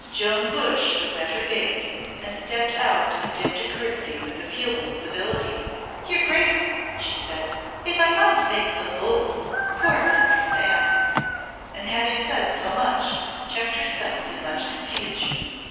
Joan Bush was at her gate and stepped out and dipped a courtesy with appealing civility. "Your Grace," she said, "if I might make so bold poor Mistress Anne " And having said so much checked herself in much confusion.